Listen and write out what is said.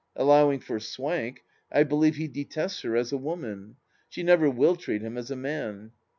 Allowing for swank, I believe he detests her as a woman ; she never tuill treat him as a man.